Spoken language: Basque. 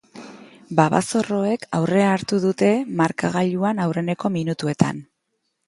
Babazorroek aurrea hartu dute markagailuan aurreneko minutuetan.